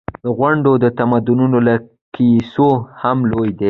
دا غونډ د تمدنونو له کیسو هم لوی دی.